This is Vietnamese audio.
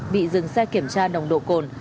bị dừng xe kiểm tra nồng độ cồn